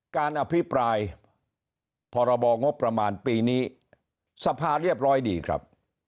การอภิปรายพรบงบประมาณปีนี้สภาเรียบร้อยดีครับ